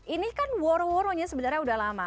ini kan woro woronya sebenarnya udah lama